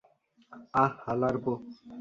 আহ, হালারপো।